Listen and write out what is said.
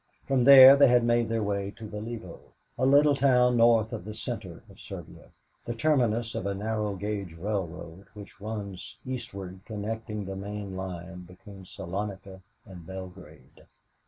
From there they had made their way to Valievo, a little town north of the center of Serbia, the terminus of a narrow gauge railroad which runs eastward connecting with the main line between Salonika and Belgrade.